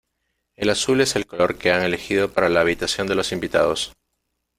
El azul es el color que han elegido para la habitación de los invitados.